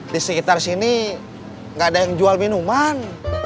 di sekitar sini nggak ada yang jual minuman